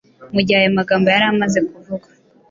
mugihe aya magambo yari amaze kuvugwa